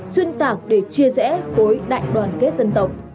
xuyên tạc để chia rẽ khối đại đoàn kết dân tộc